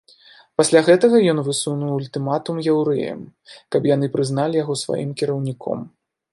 Пасля гэтага ён высунуў ультыматум яўрэям, каб яны прызналі яго сваім кіраўніком.